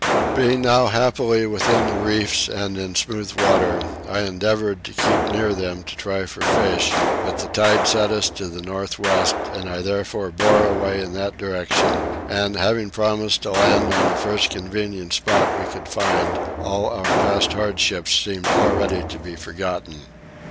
Being now happily within the reefs and in smooth water I endeavoured to keep near them to try for fish, but the tide set us to the north west, I therefore bore away in that direction and, having promised to land on the first convenient spot we could find, all our past hardships seemed already to be forgotten.